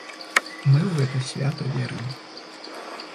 Мы ў гэта свята верым!